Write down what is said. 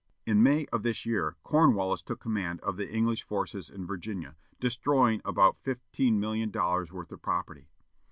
In May of this year, Cornwallis took command of the English forces in Virginia, destroying about fifteen million dollars worth of property.